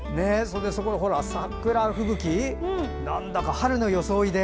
桜吹雪なんだか、春の装いで。